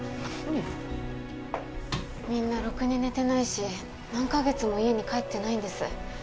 みんなろくに寝てないし何カ月も家に帰ってないんです。